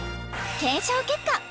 検証結果